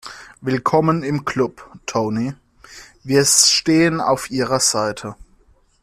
Willkommen im Club, Tony, wir stehen auf Ihrer Seite.